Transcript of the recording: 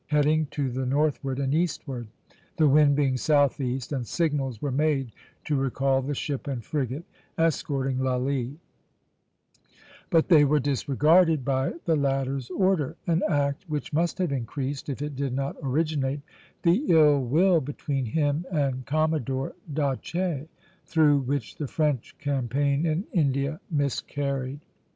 heading to the northward and eastward, the wind being southeast, and signals were made to recall the ship and frigate (a) escorting Lally; but they were disregarded by the latter's order, an act which must have increased, if it did not originate, the ill will between him and Commodore d'Aché, through which the French campaign in India miscarried.